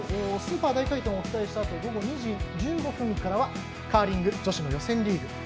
スーパー大回転をお伝えしたあと午後２時１５分からはカーリング女子の予選リーグ。